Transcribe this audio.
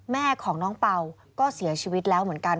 แม่ของน้องเป่าก็เสียชีวิตแล้วเหมือนกัน